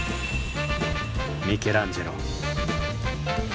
ミケランジェロ。